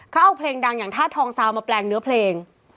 เขาเอาเพลงดังทาชทดทองซาวน์มาแปลงเนื้อเพลง